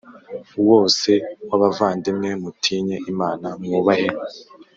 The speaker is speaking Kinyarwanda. wose w abavandimwe mutinye Imana mwubahe